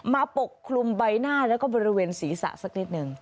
ปกคลุมใบหน้าแล้วก็บริเวณศีรษะสักนิดนึง